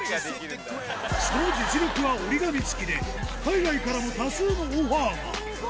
その実力は折り紙付きで、海外からも多数のオファーが。